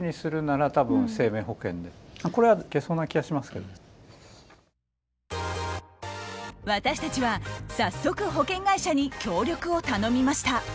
あれですねだから私たちは早速保険会社に協力を頼みました。